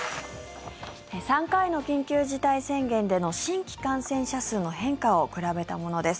３回の緊急事態宣言での新規感染者数の変化を比べたものです。